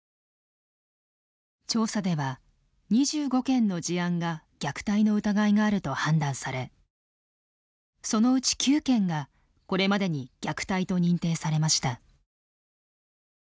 調査では２５件の事案が虐待の疑いがあると判断されそのうち９件がこれまでに虐待と認定されました。